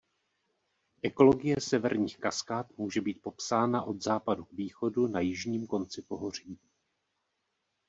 Ekologie Severních Kaskád může být popsána od západu k východu na jižním konci pohoří.